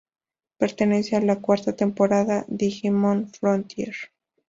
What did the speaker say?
Pertenece a la cuarta temporada, "Digimon Frontier".